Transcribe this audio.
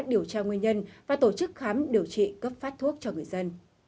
điều tra nguyên nhân và tổ chức khám điều trị cấp phát thuốc cho người dân